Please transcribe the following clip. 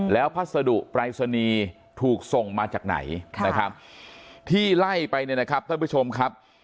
แล้วพัสดุปรายศนีย์ถูกส่งมาจากไหนนะครับที่ไล่ไปเนี่ยนะครับท่านผู้ชมครับ